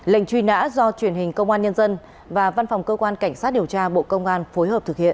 lệnh truy nã do truyền hình công an nhân dân và văn phòng cơ quan cảnh sát điều tra bộ công an phối hợp thực hiện